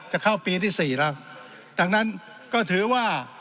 จะเข้าปีที่สี่แล้วดังนั้นก็ถือว่า